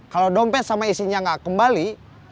kalo dompet sama isinya gak kembali